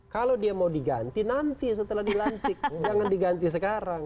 kalau dia mau diganti nanti setelah dilantik jangan diganti sekarang